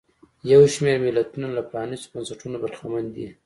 یو شمېر ملتونه له پرانیستو بنسټونو برخمن دي.